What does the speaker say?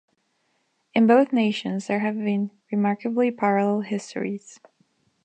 In both nations there have been remarkably parallel histories.